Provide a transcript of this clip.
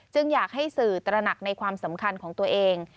อยากให้สื่อตระหนักในความสำคัญของตัวเอง